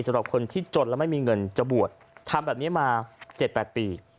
สำหรับคนที่จนแล้วไม่มีเงินจะบวชทำแบบนี้มา๗๘ปี